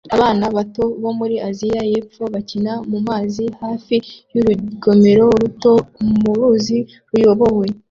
Abana bato bo muri Aziya yepfo bakina mumazi hafi y'urugomero ruto mu ruzi ruyobowe